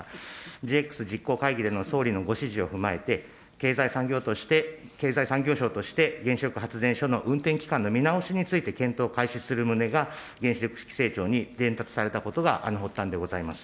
ＧＸ実行会議での総理のご指示を踏まえて、経済産業として、経済産業省として原子力発電所の運転期間の見直しについて検討を開始する旨が原子力規制庁に伝達されたことが発端でございます。